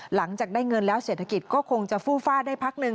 หลังจากได้เงินแล้วเศรษฐกิจก็คงจะฟู้ฟาดได้พักหนึ่ง